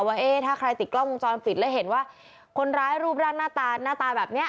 ว่าถ้าใครติดกล้องมุมจรปิดแล้วเห็นว่าคนร้ายรูปรักหน้าตาแบบนี้